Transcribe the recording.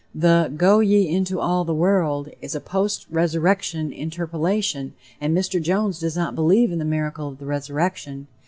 The "Go ye into all the world" is a post resurrection interpolation, and Mr. Jones does not believe in the miracle of the resurrection.